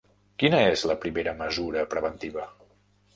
Quina és la primera mesura preventiva?